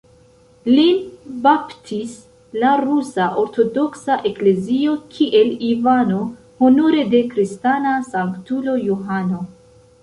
Lin baptis la Rusa Ortodoksa Eklezio kiel Ivano honore de kristana sanktulo "Johano".